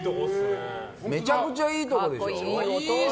めちゃくちゃいいとこでしょ。